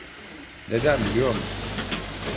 Neden biliyor musun?